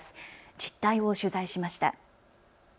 実態を取材しました。